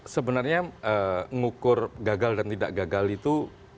sebenarnya ngukur gagal dan tidak gagal itu